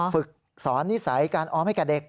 ฝึกสอนนิสัยการออมให้แก่เด็ก